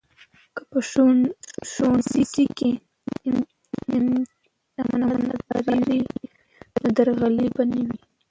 که په ښوونځي کې امانتداري وي نو درغلي به نه وي.